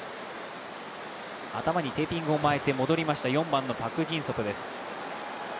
頭にテーピングを巻いて戻りました、４番のパク・ジンソプです。